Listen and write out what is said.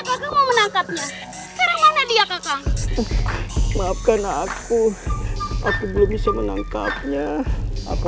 kalau mau menangkapnya kira kira dia kakak maafkan aku aku belum bisa menangkapnya aku